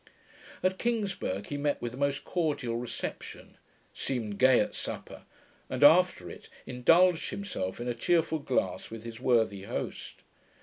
At Kingsburgh he met with a most cordial reception; seemed gay at supper, and after it indulged himself in a cheerful glass with his worthy host.